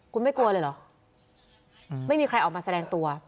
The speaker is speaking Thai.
คุณไม่กลัวเลยเหรอไม่มีใครออกมาแสดงตัว